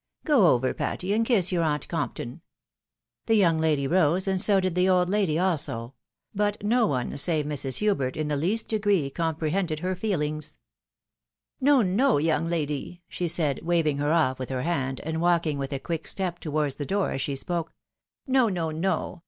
Go over, Patty, and kiss your aunt Compton." The young lady rose, and so did the old lady also ; but no one, save Mrs. Hubert, in the least degree comprehended her feelings. " No, no, young lady !" she said, waving her off with her hand, and walking with a quick step towards the door as she spoke. " No, no, no